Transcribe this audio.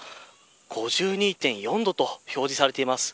５２．４度と表示されています。